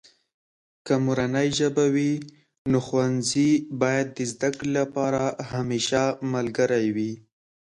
که مورنۍ ژبه وي، نو ښوونځي باید د زده کړې لپاره همیشه ملګری وي.